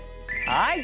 はい！